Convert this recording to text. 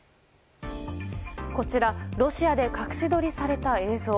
こちら、ロシアで隠し撮りされた映像。